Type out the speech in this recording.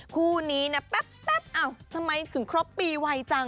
คู่นี้นะแป๊บทำไมถึงครบปีไวจัง